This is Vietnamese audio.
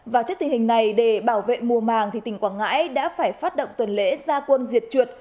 và trước tình hình này để bảo vệ mùa màng thì tỉnh quảng ngãi đã phải phát động tuần lễ gia quân diệt chuột